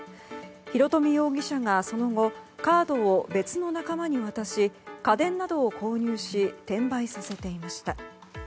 広冨容疑者がその後、カードを別の仲間に渡し家電などを購入し転売させていました。